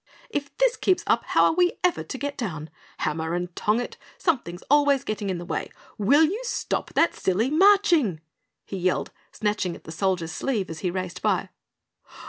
"If this keeps up, how are we ever to get down? Hammer and tong it! Something's always getting in the way. WILL you stop that silly marching?" he yelled, snatching at the Soldier's sleeve as he raced by.